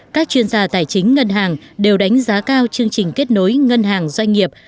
các chuyên gia tài chính ngân hàng đều đánh giá cao chương trình kết nối ngân hàng doanh nghiệp